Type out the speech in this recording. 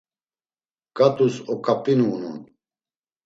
Ǩat̆us oǩap̌inu unon.